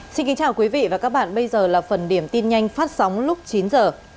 xin kính chào quý vị và các bạn bây giờ là phần điểm tin nhanh phát sóng lúc chín giờ